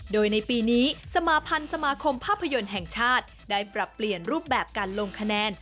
โดยในปีนี้สมาพันธ์สมาคมภาพยนตร์แห่งชาติได้ปรับเปลี่ยนรูปแบบการลงคะแนน